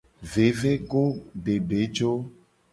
Vevegodedejo.